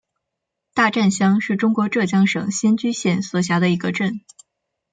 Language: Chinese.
大战乡是中国浙江省仙居县所辖的一个镇。